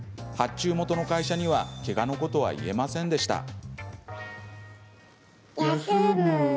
発注元の会社には、けがのことは言えませんでした。